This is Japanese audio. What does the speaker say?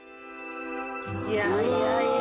いやいやいや。